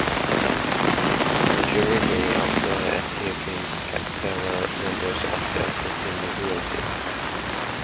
Majority of the Ethiopians kept there were members of the Ethiopian nobility.